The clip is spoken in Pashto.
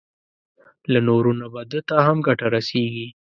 له نورو نه به ده ته هم ګټه رسېږي.